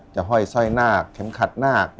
ห้อยสร้อยนาคเข็มขัดนาค